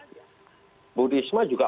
ibu risma juga